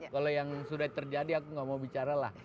kalau yang sudah terjadi aku nggak mau bicara lah